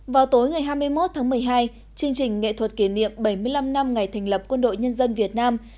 vào tối ngày hai mươi một tháng một mươi hai chương trình nghệ thuật kỷ niệm bảy mươi năm năm ngày thành lập quân đội nhân dân việt nam